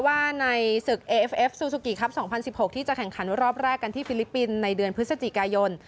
ว่าในศึกเอเอฟเอฟซูซูกิครับ๒๐๑๖ที่จะแข่งขันรอบแรกกันที่ฟิลิปปินส์ในเดือนพฤศจิกายน